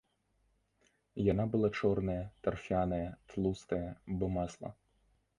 Яна была чорная, тарфяная, тлустая, бы масла.